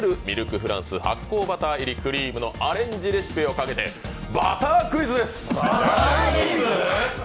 フランス発酵バター入りクリームのアレンジレシピをかけてバタークイズです。